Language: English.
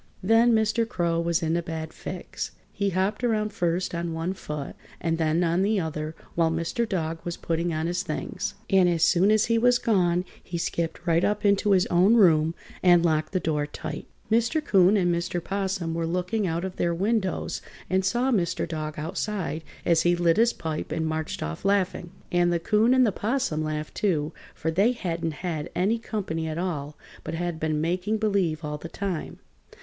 Then Mr. Crow was in a bad fix. He hopped around first on one foot and then on the other while Mr. Dog was putting on his things, and as soon as he was gone he skipped right up into his own room and locked the door tight. Mr. 'Coon and Mr. 'Possum were looking out of their windows and saw Mr. Dog outside as he lit his pipe and marched off laughing. And the 'Coon and 'Possum laughed, too, for they hadn't had any company at all, but had been making believe all the time.